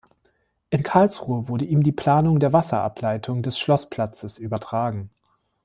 In Karlsruhe wurde ihm die Planung der Wasserableitung des Schlossplatzes übertragen.